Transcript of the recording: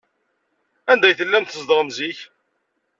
Anda ay tellam tzedɣem zik?